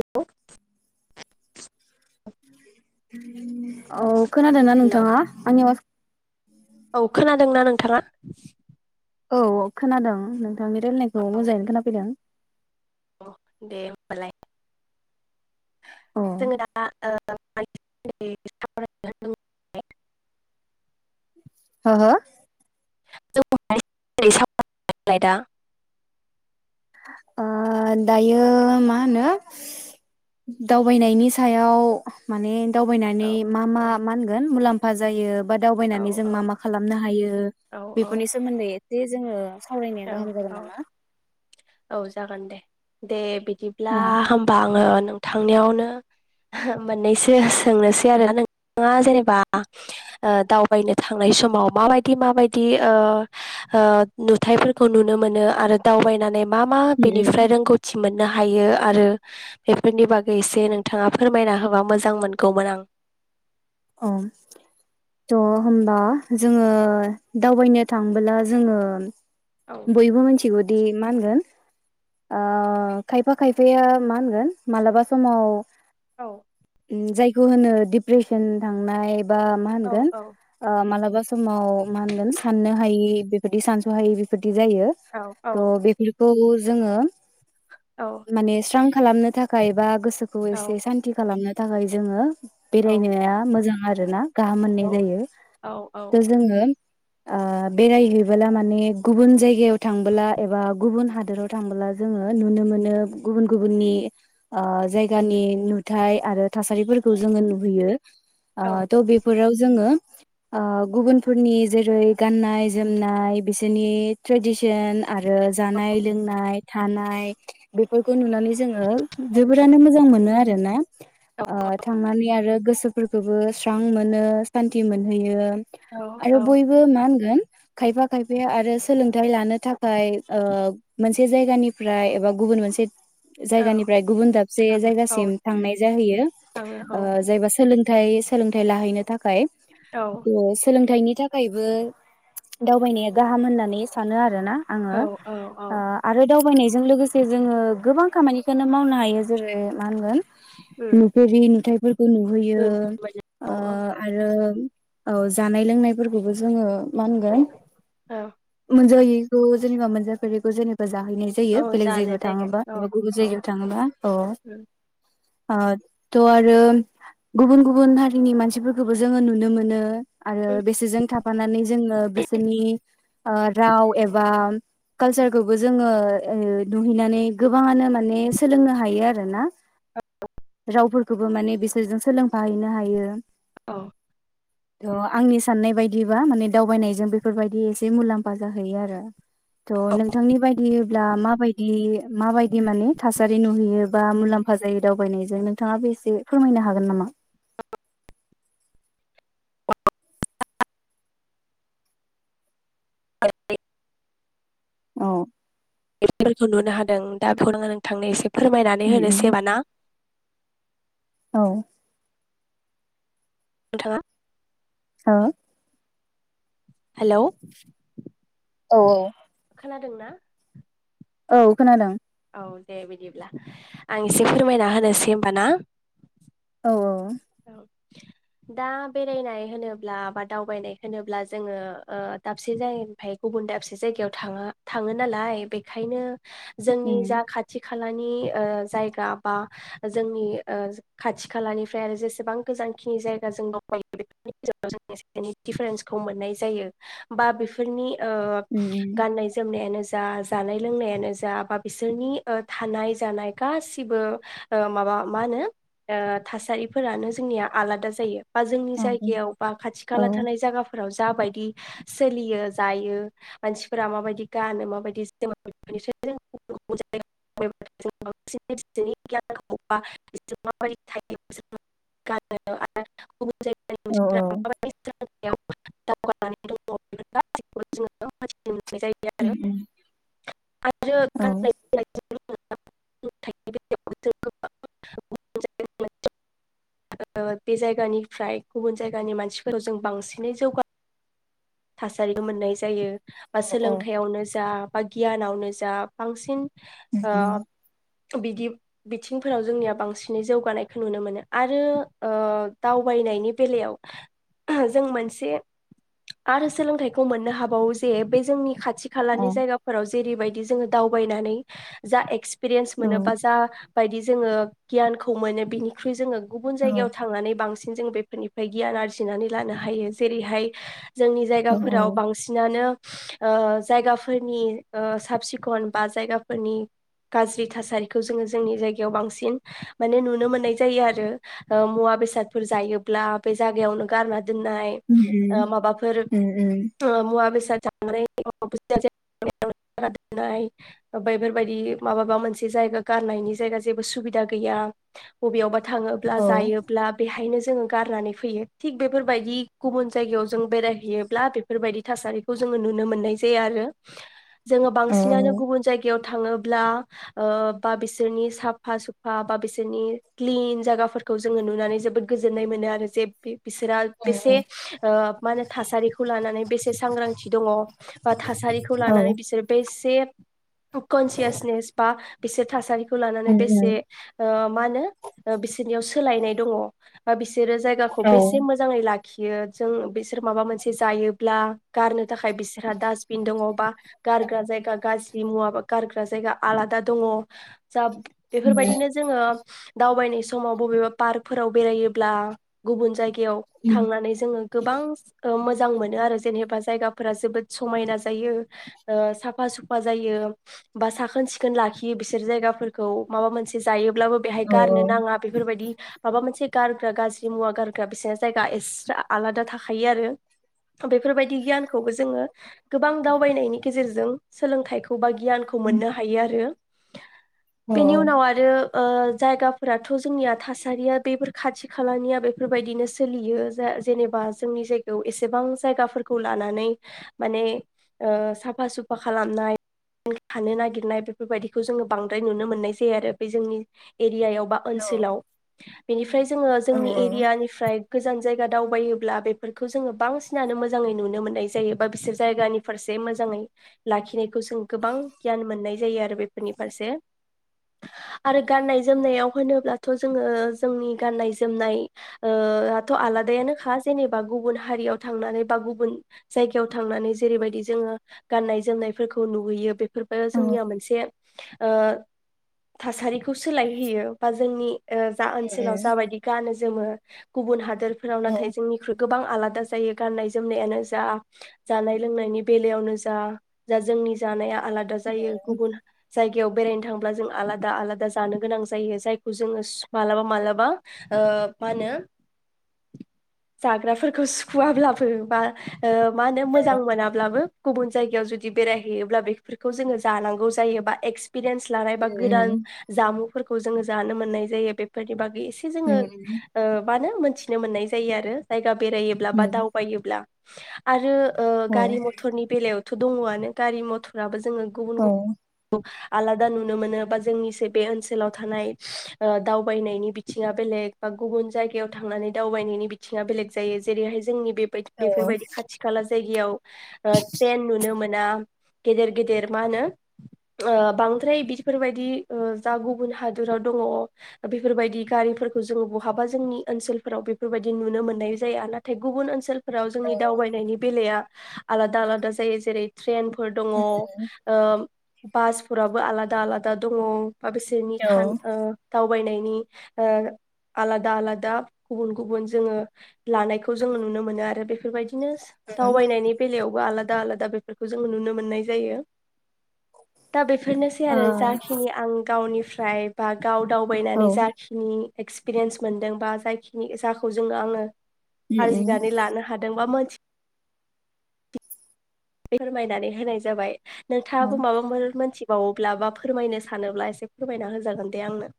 हेल'। औ खोनादोंना हेलौ नोंथाङा आंनि आवास औ खोनादोंना नोंथाङा औ खोनादों नों नोंथांनि औ रायलायनायखौ मोजाङैनो खोनाफैदों औ दे होनोमबालाय औ जोङो दा ओ [unintelligible] हो हो [unintelligible] ओ दायो मा होनो दावबायनायनि सायाव माने औ दावबायनानै मा औ मा मानगोन मुलाम फा जायो बा औ दावबायनानै जों मा मा खालामनो हायो औ बेफोरनि सोमोन्दै जे जोङो सावरायनाया गाहाम औ जागोन नामा औ जागोन दे दे बिद दिब्ला उम होनबा आङो नो थांनायावनो मोननैसो सोंनोसै आरो नोंथाङा जेनेबा दावबायनो थांनाय समाव माबायदि माबायदि ओ ओ नु थाइफोरखौ नुनो मोनो आरो दावबायनानै मा मा उम बेनिफ्राय रोंगौथि मोन नो हायो आरो बेफोरनि बागै एसे नोंथाङा फोरमायना होबा मोजां मोनगौमोन आं औ थ' होनबा जोङो दावबायनो थांबोला जोङो औ बैबो मोनसे जुदि मा होनगोन ओ खायफा खायफाया मा होनगोन मालाबा समाव औ। जायखौ होनो डिप्रेसन थांनाय बा मा औ होनगोन औ ओ मालाबा स समाव मा होनगोन साननो हायि बेफोरबादि सानसहायि जायो औ औ त बेफोरखौ जोङो माने स्रां खालामनो थाखाय बा गोसोखौ औ एसे सान्थि खालामनो थाखाय जोङो औ बेरायनाया मोजां आरो ना गाहाम औ मोननाय जायो दा जोङो ओ बेरायहैबोला माने गुबुन जायगायाव थांबोला एबा गुबुन हादोराव थांबोला जोङो नुनो मोनो गुबुन गुबुननि ओ जायगानि नुथाय आरो थासारिफोरखौ जोङो नुहैयो। अ'थ' बेफोराव जोङो ओ गुबुनफोरनि जेरै गाननाय- जोमनाय बिसोरनि ट्रेडिसन, आरो जानाय -लोंनाय, थानाय बेफोरखौ नुनानै जोङो जोबोरानो मोजां मोनो आरो ना। ओ थांनानै आरो गोसोफोरखौबो स्रां मोनो सान्थि मोनहैयो, औ आरो औ बयबो मान खायफा खायफाया आरो सोलोंथाइ लानो थाखाय मोनसे जायगानिफ्राय एबा गुबुन मोनसे औ थाङो औ जायगासिम थांनाय जाहैयो। थाङो औ ओ जायबा सों लोंथाइ सोलोंथाइ लाहैनो थाखाय औ सोलोंथाइनि थाखायबो दावबायनाया गाहाम होननानै सानो आरो आरोना आङो औ औ औ आरो दावबायनायजों लोगोसे जोङो गोबां खामानिखौननो मावनो हायो जेरै मा होनगोन उम। बे नुथायफोर नुहोयो दोनथ'बाय औ ओ औ आरो औ जानाय -लोंनायफोरखौबो जोङो मा होनगोन औ। मोनजायैखौ जेनेबा मोनजाफेरखौ जेनेबा जाहैनाय औ जायो बेलेग जानो जायगायाव जायगा थाङोबा औ एबा गुबुन औ जायगायाव थाङोबा औ। ओ थ' आरो गुबुन गुबुन हारिनि मानसिफोरखौबो जोङो नुनो मोनो आरो बेसोरजों थाफानानै जोङो बिसोरनि राव एबा कालसारखौबो जोङो नुहैनानै गोबाङानो मा माने सोलोंनो हायो आरो ना। रावफोरखौबो माने बिसोरजों सोलोंफाहैनो हायो। औ। थ' आंनि साननाय बायदिबा माने दावबायनायजों बेफोरबायदि एसे मुलाम्फा जाहैयो आरो। थ' नोंथांनि बायदिब्ला माबायदि माबायदि माने थास सारि नुहैयो बा मुलाम्फा जायो दावबायनायजोंनो नोंथाङा बे एसे फोरमायनो हागोन नामा? [unintelligible] [unintelligible] औ एखौ नुनो हाद नों दा फोनाङा नोंथांनानि एसे फोरमायनानै उम होनोसै उम ना? औ। नोंथाङा हो? हेल' औ। दों ना? औ खोनादों। औ दे बिदिब्ला आं एसे फोरमायना होनोसै होमबा ना? औ औ। औ दा बेरायनाय होनोब्ला बा दावबायनाय होनोब्ला जोङो ओ दाबसे जायगानिफ्राय गुबुन दाबसे जायगायाव थाङा थाङो नालाय बेखायनो जोंनि उम जा खाथि खा खालानि जायगा बा जोंनि खाथि खालानिफ्राय आरो ज जसेबां गोजानखिनि जायगा जों दंगायो बेफोरनि गेजेराव जों दिडिफारेन्सखौ मोननाय जायो बा बेफोरनि ओ उम उम गाननाय जोमनायानो जा बा जानाय लोंनायानो जा बा बिसोरनि ओ थानाय जानाय गासैबो ओ माबा मा होनो फोरानो जोंनिया आलादा जायो। बा जोंनि जायगायाव बा खाथि औ खाला थानाय जायगाफोराव जाबायदि सोलियो जायो मानसिफोरा माबायदि गानो माबायदिनिफ्रायसनि गियान बि माबाय थायो [unintelligible] गानो आरो गुबुन जायगानि मोनसे औ [unintelligible] दावगानानै दङ' बिखौ गाैखौबो जोङो [unintelligible] बे उम जायगायाव उम आरो औ उम आरो [unintelligible] [unintelligible] [unintelligible] बे जायगानिफ्राय गुबुन जायगानि मानसिफोराव जों बांसिनै जौगा थासारिखौ मोननाय जायो। बा उम औ औ सोलोंथायाइयावनो जा बा गियानावनो जा बांसिन आ उम उम बिदि बिथिंफोराव जोंनिया बांसिनै जौगानायखौ नुनो मोनो आरो ओ दावबायनायनि बेलायाव जों मोनसे आरो सोलोंथाइखौ मोननो हाबावो जे बे जोंनि खाथि खाथि उम खालानि जायगाफोराव जेरैबायदि जोङो दावबायनानै जा एक्स पेरिएन्स मोनोबा जा बायदि जोङो गियानखौ मोनो बिनिख्रुय जोङो गुबुन औ जायगायाव थांनानै बांसिन जों बेफोरनिफ्राय गियान आरजिनानै लानो हायो जेरैहाय जोंनि औ उम औ उम औ उम औ उम औ उम औ जायगाफोराव बांसिनानो अ जायगाफोरनि अ साब सिखन बा जायगाफोरनि गाज्रि थासारिखौ जोङो जोंनि जायगायाव बांसिन माने नुनो मोननाय जायो आरो ओ मुवा बेसादफोर जायोब्ला बे जायगायावनो गारनानै दोननाय ओ माबा उम उम। मुवा बेसाद जानानै [unintelligible] जेराव मेरावनो गारनानै दोननाय बेफोरबायदि माबा मोनसे जायोबा गारनायनि जायगा जेबो सुबिदा गैया अबेयावबा थाङोब्ला जायोब्ला बेहायनो जों गारनानै फैयो थिग बेफोरबायदि गुबुन जायगायाव जों बेराय हैयोब्ला बेफोरबायदि थासारिखौ जोङो नुनो मोननाय जाया आरो। जोङो बांसिनानो गुबुन जायगायाव थाङोब्ला ओ बा बिसोरनि साफा सुफा बा बिसोरनि क्लिन जायगाफोरखौ जोङो नुनानै जोबोद गोजोननाय मोनो आरो जे बे बिसोरा बेसे ओ मा होनो थासारिखौ लानानै बेसे सांग्रांथि दङ बा थासारिखौ लानानै बिसोरो बेसे कनसियासनेस बा बिसोर थासारि खौ लानानै बेसे ओ माहोनो बिसोरनि सोलायनाय दङ बिसो सोरो जायगाखौ बेसे मोजाङै लाख खियो जों बेस बिसोर माबा मोनसे जायोब्ला गारनो थाखाय बिसोरहा डासबिन दङ बा गारग्रा जायगा गाज्रि मुवा बा गारग्रा जायगा आलादा दङ जा बेफोरबायदिनो जोङो दावबायनाय समाव बबेबा पार्कफोराव बेरायोब्ला गुबुन जायग याव थांनानै जोङो गोबां ओ मोजां मोनो आरो जेनेबा जायगाफोरा जोबोद समायना जायो ओ साफा सुफा जायो बा साखोन सिखोन लाखियो बिसोर जायगाफोरखौ माबा मोनसे जायोब ब्लाबो बेहाय गारनो नाङा बेफोरबायदि माबा मोनसे गारग्रा गाज्रि मुवा गारग्रा बिसोरना जायगा एस्रा आलादा थाख खायोआरो बेफोरबायदि गियानखौबो जोङो गोबां दावबायनायनि गेजेरजों सोलोंथाइखौ बागि गियानखौ मोननो हायो आरो बेनि उनाव आरो ओ जायगाफोराथ' जोंनिया थासारिया बेफोर खाथि खालानिया बेफोरबायदिनो सोलियो जा जेनेबा जोंनि जायगायाव एसेबां जायगाफोरखौ लानानै माने ओ साफा सुफा खालामनाय थानो नागिरनाय बेफोरबायदिखौ जोङो बांद्राय नुनो मोननाय जायो आरो बे जोंनि एरियायाव बा ओनसोलाव बेनिफ्राय जोङो जोंनि एरियानिफ्राय गोजान जायगा दावायो। ब्ला बेफोरखौ जोङो बांसिनानो मोजाङै नुनो मोननाय जायो बा बिसोर जायगानि फारसे मोजाङै लाखिनाय। खौजों गोबां गियान मोननाय जायो आरो बेफोरनि फारसे आरो गाननाय जोमनायाव होनोब्लाथ' जोङो जोंनि गान्नाय जोमनाय ओ आथ' आलादायानोखा जेनेबा गुबुन हारियाव थांनानै बा गुबुन जायगायाव थांनानै जेरैबायदि जोङो गाननाय जोमनायफोरखौ नुहैयो बेफोरबो जोंनिया मोनसे ओ थासारिखौ सोलायहैयो बा जोंनि। ओ जा ओनसोलाव जाबायदि गानो। जोमो गुबुन हाद दोरफोराव नाथाय जोंनि गोबां आलादा जायो गाननाय जोमनायानो जा जानाय लोंनायनि बेलायावनो जा जा जोंनि जानाया आलादा जायो गुबुन जायगायाव बेरायनो थांब्ला जों आलादा आलादा जानो गोनां जायो जायखौ जोङो मालाबा मालाबा ओ मा होनो? जाग्राफोरखौ सुखुवाब्लाबो बा ओ मा होनो मोजां मोनाब्लाबो गुबुन जायगायाव जुदि बेरायहैयोब्ला बेफोरखौ जोङो जानांगौ जायोबा एक्स पिरिेयान्स लानाय बा गोदान जामुं। फोरखौ जोङो जानो मोननाय जायो बेफोरनि बागै एसे जोंओ उम ओ बा नो मोनथिनो मोननाय जायो आरो। गा बेरायोब्ला बा दावबायोब्ला आरो ओ गारि मथरनि बेलायाव थ' दङआनो गारि मथराबो जोङो गुबुन गुबुन। आलादा नुनो मोनो बा जोंनिसो बे ओनसोलाव थानाय दावबायनायनि बिथिङा बेलेग बा गुबुन जायगायाव थांनानै दावबायनायनि बिथिं। बेले जायो जेरैहाय जोंनि बेबायदि बेफोरबायदि खाथि खाला जायगायाव। ट्रेन नुनो मोन गेदेर गेदेर मा होनो बांद्राय बेफोरबायदि जा गुबुन हादोराव दङ बेफोरबायदि गारिफोरखौ जोो बहाबा जोंनि ओनसोलफोराव बेफोरबायदि नुनो नुनो मोननाय जाया नाथाय गुब ओनसोल। फोराव जोंनि दावबायनायनि बेलाया। आलादा आलादा जायो जेरै ट्ररेन। फोर दङ ओ बासफोराबो आलादा आलादा दङ। आं बिसोरनि थान दाउ। बायनायनि ओ आलादा आलादा गुबुन गुबुन जोङो लानायखौ जों नुनो मोनो आरो बेफोरबायदि बिदिनो दावबायनायनि बेलायाव आलादा आलादा बेफोरखौ जोंङो नुनो मोननाय जायो दा बेफो फोरनोसै औ आरो ओ जाखिनि आं गावनिफ्राय बाग दाव औ दावबायनानै उम जाखिनि एक्सपिरियेन्स मोनदों बा जायखिनि जाखौ जोङो आङो आरजिनानै उम लानो हादों बा मोन फोरमायनानै होनाय जाबाय। औ नोंथाङाबो माबा मोर मोनथि बावोब्ला बा फोरमायनो सानोब्ला एसे फोरमायना होजागोन दे आंनो।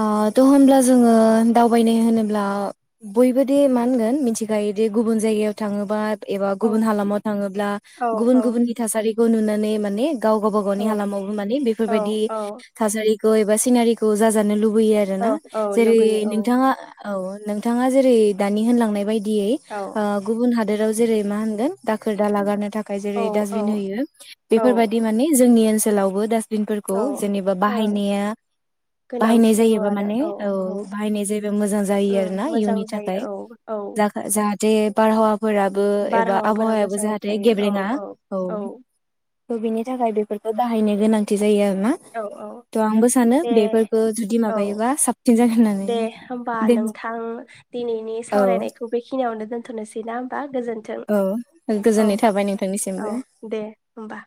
आ थ' होमब्ला जोङो दावबायनाय होनोब्ला बयबोदि मा होनगोन मिथिखायोदि गुबुन जायगायाव थाङोबा एबा औ गुबुन हालामाव थाङोब्ला औ गुबुन औ गुबुननि थासारि नुनानै माने गाव गावबा गावनि औ हालामावबो माने औ बेफोरबायदि औ थासारि खौ एबा सिनारि जाजानो लुब लुबैयो आरो औ ना औ जेरै लुगैयो नोंथाङा औ नोंथाङा जेरै दानि होनलांनाय बाय दियै औ गुबुन हादोराव जेरै मा होनगोन दाखोर दा लागारनो थाख य औ जेरै औ दास्टबिन औ बेफोरबायदि माने जोंनि ओन ओनसोलावबो दा औ नफोरखौ जेनेबा ओं बाहायनाया गोनांथि बाहायनाय दङ जायोबा आरो माने औ बाहायनाय जायोबा मोजां जायो आरो उम ना, मोजां इयुननि थाखाय जायो औ औ जाहाथे बारहावाफोराबो एबा बारहावाफोरा आबहावायाबो मोजाङै जाहाथे थायो औ गेब्रेङा औ। थ' बिनि थाखाय बेफोरखौ बाहायनो गोनांथि। जायो आरो ना औ औ थ' आंबो सानो दे बेफोर औ दे होमबा नोंथां दिनैनि औ सावरायनायखौ बेखिनियावनो। दोनथ'नोसै ना होनोमबा। गोजोन्थों औ औ गोजोननाय थाबाय नोंथांनिसिमबो औ दे होमबा।